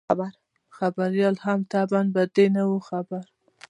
خبریال هم طبعاً په دې نه وو خبر.